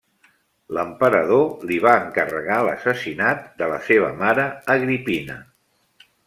L'emperador li va encarregar l'assassinat de la seva mare Agripina.